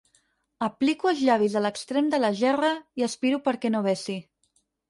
Aplico els llavis a l'extrem de la gerra i aspiro perquè no vessi.